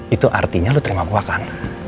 itu artinya lo terima gue kan